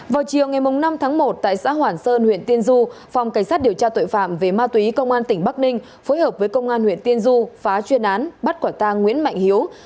vào chiều ngày năm tháng một tại xã hoản sơn huyện tiên du phòng cảnh sát điều tra tội phạm về ma túy công an tỉnh bắc ninh phối hợp với công an huyện tiên du phá chuyên án bắt quả tang nguyễn mạnh hiếu